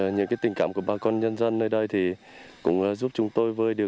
những tình cảm của bà con nhân dân nơi đây thì cũng giúp chúng tôi vơi điện